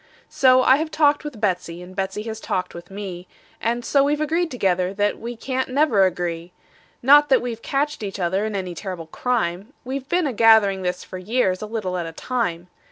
So I have talked with Betsey, and Betsey has talked with me, And so we've agreed together that we can't never agree; Not that we've catched each other in any terrible crime; We've been a gathering this for years, a little at a time.